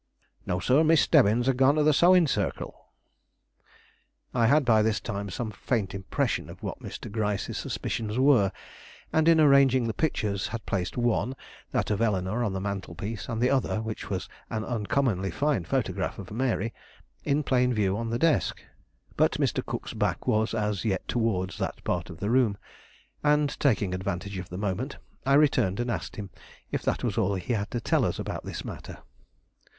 "No, sir; Miss Stebbins had gone to the sewing circle." I had by this time some faint impression of what Mr. Gryce's suspicions were, and in arranging the pictures had placed one, that of Eleanore, on the mantel piece, and the other, which was an uncommonly fine photograph of Mary, in plain view on the desk. But Mr. Cook's back was as yet towards that part of the room, and, taking advantage of the moment, I returned and asked him if that was all he had to tell us about this matter.